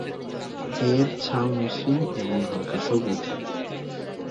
এর ছাল মসৃণ এবং হালকা সবুজ।